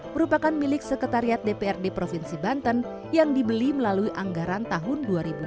merupakan milik sekretariat dprd provinsi banten yang dibeli melalui anggaran tahun dua ribu dua puluh